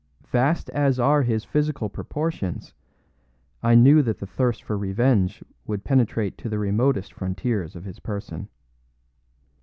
Vast as are his physical proportions, I knew that the thirst for revenge would penetrate to the remotest frontiers of his person.